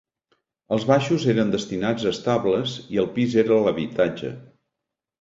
Els baixos eren destinats a estables i el pis era l'habitatge.